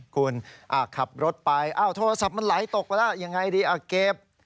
คุณขับรถไปโทรศัพท์มันไหลตกไปแล้วยังไงดีเก็บ